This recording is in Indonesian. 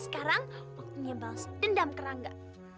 sekarang waktunya balas dendam ke rangga